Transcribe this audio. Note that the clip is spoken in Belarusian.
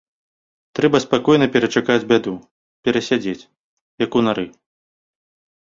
Трэба спакойна перачакаць бяду, перасядзець, як у нары.